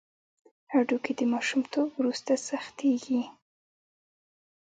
هډوکي د ماشومتوب وروسته سختېږي.